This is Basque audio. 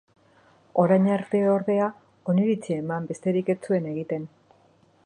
Orain arte, ordea, oniritzia eman besterik ez zuen egiten.